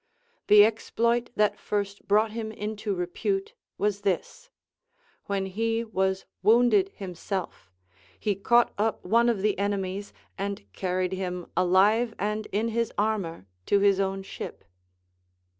The exploit that first brought him into repute was this : when he was wounded himself, he caught up one of the enemies and carried him alive and in his armor to his own ship.